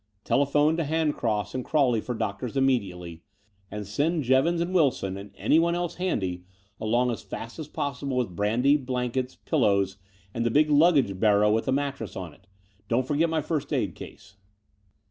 Tdephone to Handcross and Craw ley for doctors immediately, and send Jevons and Wilson and anyone else handy along as fast as possible with brandy, blankets, pillows, and the big luggage barrow with a mattress on it ; and don't forget my first aid case."